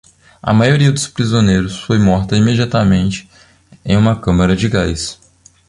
A maioria dos prisioneiros foi morta imediatamente em uma câmara de gás.